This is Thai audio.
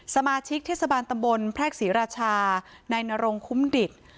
สมาชิกเทศบาลตำบลแพรกศรีราชานายนรงคุ้มดิต